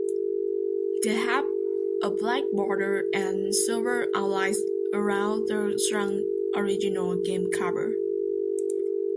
They have a black border, and silver outlines around the shrunk original game cover.